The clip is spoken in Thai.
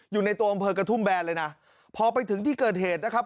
อยู่ในตัวอำเภอกระทุ่มแบนเลยนะพอไปถึงที่เกิดเหตุนะครับ